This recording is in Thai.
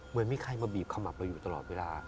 เหมือนมีใครมาบีบขมับเราอยู่ตลอดเวลา